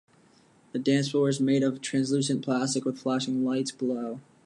The dance floor was made of translucent plastic with flashing lights below.